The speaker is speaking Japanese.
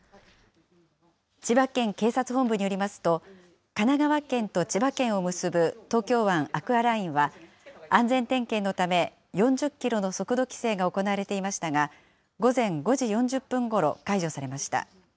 千葉県警察本部によりますと、神奈川県と千葉県を結ぶ東京湾アクアラインは、安全点検のため、４０キロの速度規制が行われていましたが、午前５時４０分ごろ、解除されました。